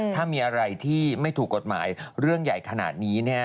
ถ้ามีอะไรที่ไม่ถูกกฎหมายเรื่องใหญ่ขนาดนี้